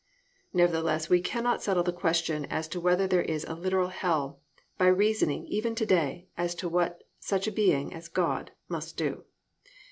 Nevertheless, we cannot settle the question as to whether there is a literal hell by reasoning even to day as to what such a being as God must do.